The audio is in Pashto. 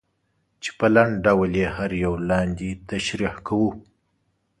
چې په لنډ ډول یې هر یو لاندې تشریح کوو.